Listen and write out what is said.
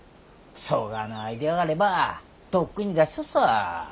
そがなアイデアがあればとっくに出しちょっさぁ。